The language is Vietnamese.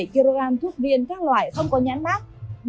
sáu mươi bảy kg thuốc viên các loại không có nhãn mát